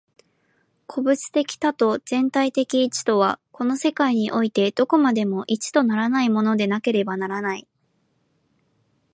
個物的多と全体的一とは、この世界においてどこまでも一とならないものでなければならない。